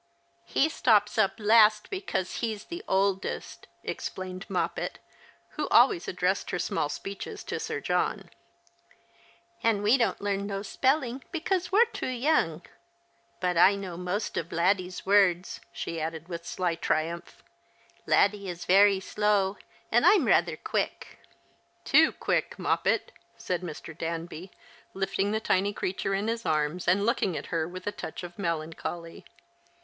"He stops up last because he's the oldest," explained The Chkistmas Hirelings. 131 Moppet, who always addressed her small speeches to Sir John, "and we don't learn no spelling because we're too young. But I know most of Laddie's words," she added with sly triiunph. " I^addie is very slow, and I'm rather quick." " Too quick. Moppet," said Mr. Danby, lifting the tiny creature in his arms, and looking at her with a touch of melancholy.